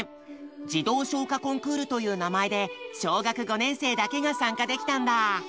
「児童唱歌コンクール」という名前で小学５年生だけが参加できたんだ。